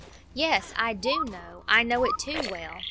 "Yes, I do know; I know it too well.